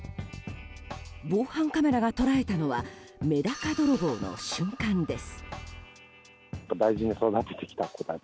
防犯カメラが捉えたのはメダカ泥棒の瞬間です。